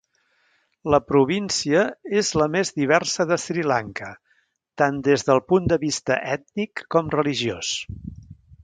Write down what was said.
La província és la més diversa de Sri Lanka, tant des del punt de vista ètnic com religiós.